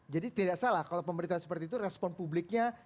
jadi tidak salah kalau pemerintah seperti itu respon publiknya